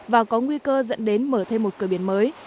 và có nguy cơ dẫn đến mở thêm một cửa biển mới